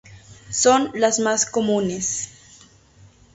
Son las más comunes.